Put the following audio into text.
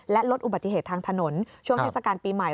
และลดอุบัติเหตุทางถนนช่วงเทศกาลปีใหม่